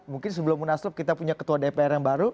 mungkin sebelum munaslup kita punya ketua dpr yang baru